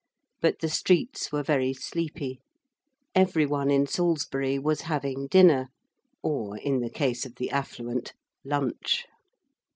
But the streets were very sleepy. Every one in Salisbury was having dinner or in the case of the affluent, lunch.